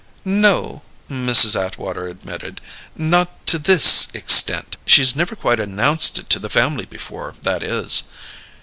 "No," Mrs. Atwater admitted. "Not to this extent! She's never quite announced it to the family before, that is."